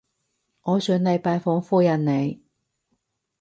我想嚟拜訪夫人你